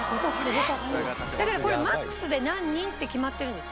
だからこれマックスで何人って決まってるんですよね？